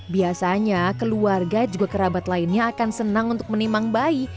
biasanya keluarga juga kerabat lainnya akan senang untuk menimang bayi